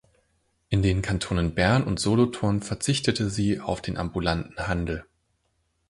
In den Kantonen Bern und Solothurn verzichtete sie auf den ambulanten Handel.